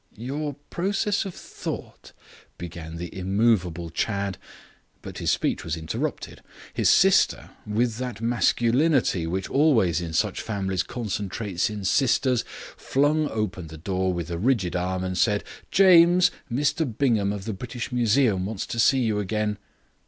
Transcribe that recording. "Your process of thought " began the immovable Chadd, but his speech was interrupted. His sister, with that masculinity which always in such families concentrates in sisters, flung open the door with a rigid arm and said: "James, Mr Bingham of the British Museum wants to see you again."